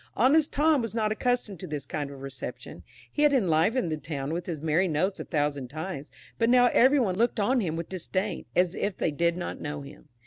Honest Tom was not accustomed to this kind of reception; he had enlivened the town with his merry notes a thousand times, but now every one looked on him with disdain, as if they did not know him.